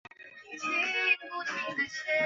李学政是今菏泽开发区佃户屯人。